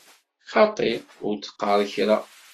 Xaṭi, ur d-qqar kra!